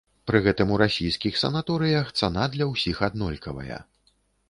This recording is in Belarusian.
Пры гэтым у расійскіх санаторыях цана для ўсіх аднолькавая.